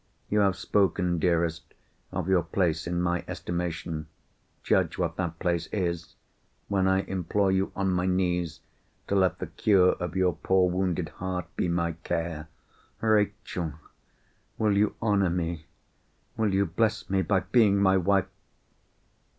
You have spoken, dearest, of your place in my estimation. Judge what that place is—when I implore you on my knees, to let the cure of your poor wounded heart be my care. Rachel! will you honour me, will you bless me, by being my wife?"